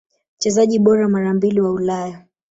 Mchezaji bora mara mbili wa Ulaya